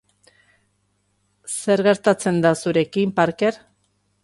Zer gertatzen da zurekin, Parker?